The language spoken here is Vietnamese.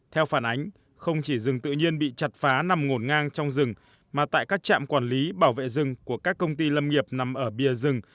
theo phản ánh không chỉ rừng tự nhiên bị chặt phá nằm ngổn ngang trong rừng mà tại các trạm quản lý bảo vệ rừng của các công ty lâm nghiệp nằm ở bia rừng